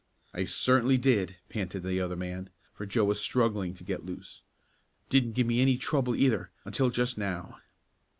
"I certainly did," panted the other man, for Joe was struggling to get loose. "Didn't give me any trouble either, until just now."